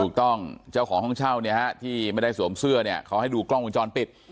เจ้าของห้องเช่าเนี่ยฮะที่ไม่ได้สวมเสื้อเนี่ยเขาให้ดูกล้องวงจรปิด